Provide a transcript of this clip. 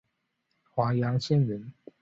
华阳县人。